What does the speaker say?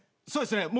そうですね